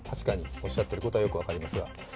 おっしゃってることはよく分かりますが。